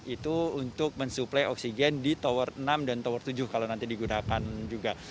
itu untuk mensuplai oksigen di tower enam dan tower tujuh kalau nanti digunakan juga